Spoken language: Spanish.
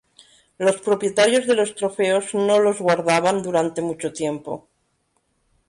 Los propietarios de los trofeos no los guardaban durante mucho tiempo.